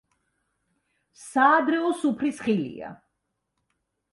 საადრეო სუფრის ხილია.